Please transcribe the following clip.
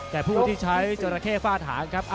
แก่ผู้ที่ใช้จอระเข้ฝ้าฐานครับ